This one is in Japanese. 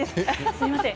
すいません。